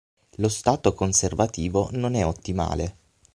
Lo stato conservativo non è ottimale.